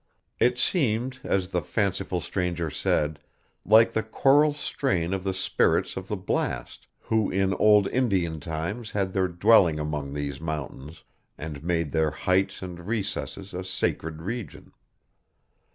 It seemed, as the fanciful stranger said, like the choral strain of the spirits of the blast, who in old Indian times had their dwelling among these mountains, and made their heights and recesses a sacred region.